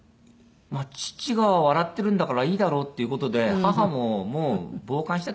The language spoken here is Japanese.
父が笑ってるんだからいいだろうっていう事で母ももう傍観してたんでしょうね。